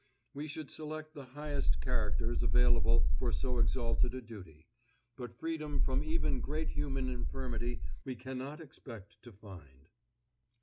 We should select the highest characters available for so exalted a duty, but freedom from even great human infirmity we cannot expect to find.